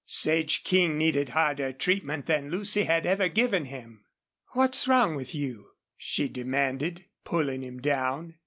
Sage King needed harder treatment than Lucy had ever given him. "What's wrong with you?" she demanded, pulling him down.